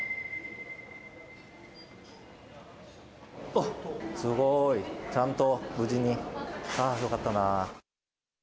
あっ、すごい、ちゃんと無事に、あー、よかったな。